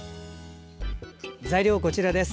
材料こちらです。